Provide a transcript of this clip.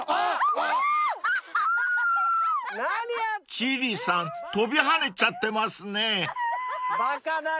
［千里さん跳びはねちゃってますね］